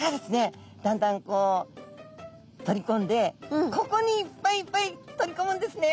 だんだんこう取りこんでここにいっぱいいっぱい取りこむんですね。